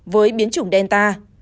với biến chủng delta